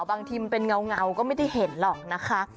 บางทีมันเป็นเงาก็ไม่ได้เห็นหรอกนะคะ